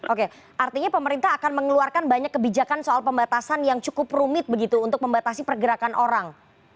oke artinya pemerintah akan mengeluarkan banyak kebijakan soal pembatasan yang cukup rumit begitu untuk membatasi pergerakan orang